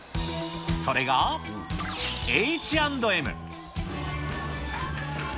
それがＨ＆Ｍ。